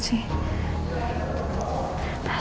aku gak diangkat sih